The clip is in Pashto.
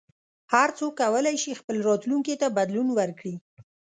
هر څوک کولای شي خپل راتلونکي ته بدلون ورکړي.